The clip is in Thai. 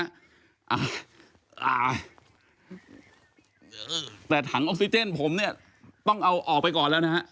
อ่าแต่ถังออกซิเจนผมเนี่ยต้องเอาออกไปก่อนแล้วนะฮะ